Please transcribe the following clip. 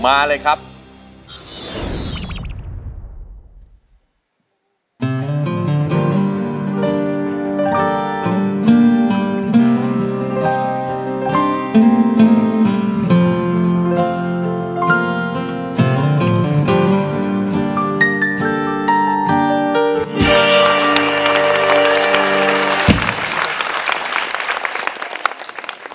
ร้องได้ไข่ล้าง